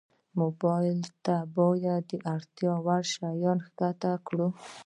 موبایل ته باید د اړتیا وړ شیان ښکته کړو.